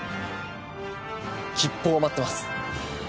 吉報を待ってます。